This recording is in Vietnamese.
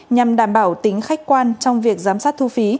nhằm đảm bảo tính khách quan trong việc giám sát thu phí